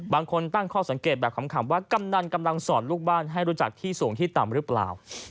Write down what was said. บางคนตั้งข้อสังเกตแบบขำว่ากำนันกำลังสอนลูกบ้านให้รู้จักที่สูงที่ต่ำหรือเปล่า